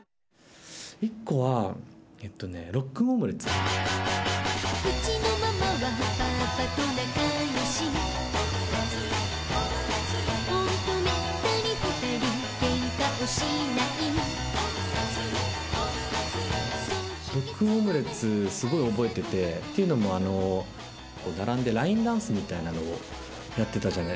１個はえっとね『ロックン・オムレツ』『ロックン・オムレツ』すごい覚えててというのも並んでラインダンスみたいなのをやってたじゃないですか。